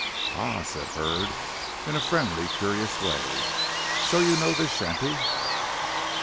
"Ah!" said Hurd in a friendly curious way, "so you know this shanty?"